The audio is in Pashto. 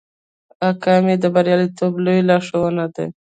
اکامي د بریالیتوب لوی لارښود دی.